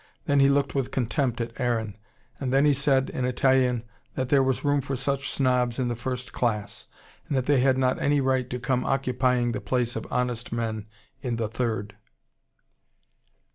Then he looked with contempt at Aaron. And then he said, in Italian, that there was room for such snobs in the first class, and that they had not any right to come occupying the place of honest men in the third.